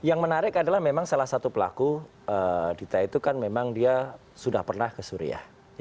yang menarik adalah memang salah satu pelaku dita itu kan memang dia sudah pernah ke suriah